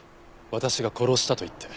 「私が殺した」と言って。